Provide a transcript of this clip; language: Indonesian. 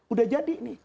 udah jadi nih